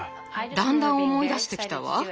だんだん思い出してきたわ。